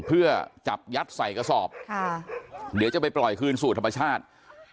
เพื่อจับยัดใส่กระสอบค่ะเดี๋ยวจะไปปล่อยคืนสู่ธรรมชาติ